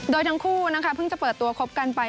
โดยทั้งคู่นะคะเพิ่งจะเปิดตัวคบกันไป